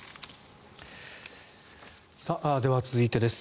では、続いてです。